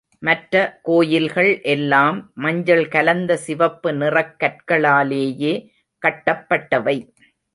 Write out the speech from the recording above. மற்ற கோயில்கள் எல்லாம் மஞ்சள் கலந்த சிவப்பு நிறக் கற்களாலேயே கட்டப்பட்டவை.